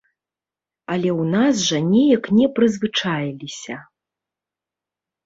Але ў нас жа неяк не прызвычаіліся.